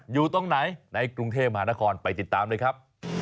อยู่ตรงไหนในกรุงเทพมหานครไปติดตามเลยครับ